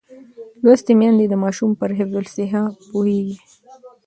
لوستې میندې د ماشوم پر حفظ الصحه پوهېږي.